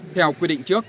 theo quy định trước